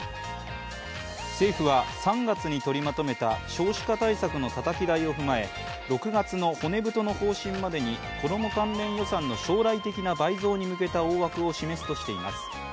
政府は３月に取りまとめた少子化対策のたたき台を踏まえ６月の骨太の方針までに子ども関連予算の将来的な倍増に向けた大枠を示すとしています。